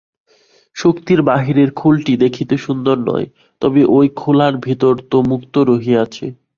শুক্তির বাহিরের খোলাটি দেখিতে সুন্দর নয়, তবে ঐ খোলার ভিতর তো মুক্তা রহিয়াছে।